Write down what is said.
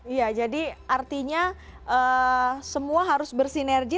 iya jadi artinya semua harus bersinergi